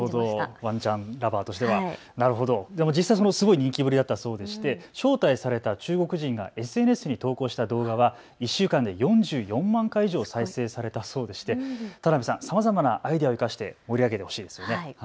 ワンちゃんラバーとしては実際、すごい人気ぶりだそうでして招待された中国人がＳＮＳに投稿した動画は１週間で４４万回以上再生されたそうで田鍋さん、さまざまなアイデア生かして盛り上げてほしいですよね。